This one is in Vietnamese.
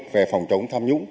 về phòng chống tham nhũng